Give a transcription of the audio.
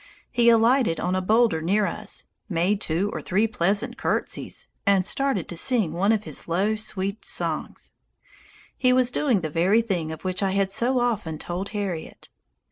He alighted on a boulder near us, made two or three pleasant curtsies, and started to sing one of his low, sweet songs. He was doing the very thing of which I had so often told Harriet.